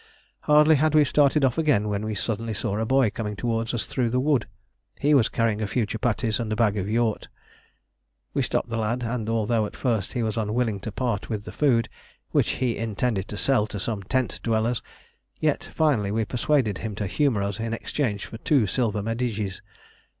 Hardly had we started off again when we suddenly saw a boy coming towards us through the wood. He was carrying a few chupatties and a bag of "yourt." We stopped the lad, and although at first he was unwilling to part with the food, which he intended to sell to some tent dwellers, yet finally we persuaded him to humour us in exchange for two silver medjidies.